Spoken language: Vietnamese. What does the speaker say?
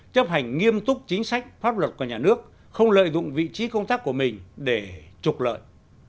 chấp hành nghiêm túc chính sách pháp luật của nhà nước không lợi dụng vị trí công tác của mình để trục lợi